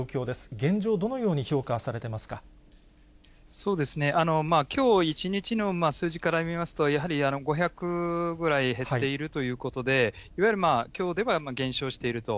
現状、きょう１日の数字から見ますと、やはり５００ぐらい減っているということで、いわゆるきょうでは減少していると。